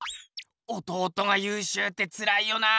弟がゆうしゅうってつらいよな。